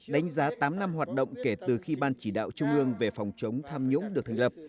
đánh giá tám năm hoạt động kể từ khi ban chỉ đạo trung ương về phòng chống tham nhũng được thành lập